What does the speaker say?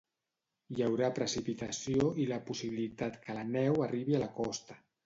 Hi haurà precipitació i la possibilitat que la neu arribi a la costa.